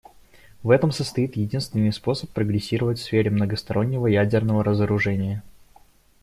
В этом состоит единственный способ прогрессировать в сфере многостороннего ядерного разоружения.